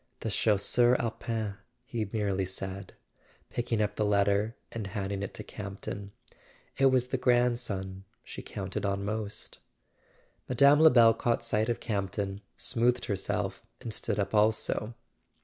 "The Chasseur Alpin ," he merely said, picking up the letter and handing it to Campton. "It was the grandson she counted on most." Mme. Lebel caught sight of Campton, smoothed herself and stood up also.